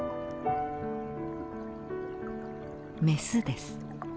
メスです。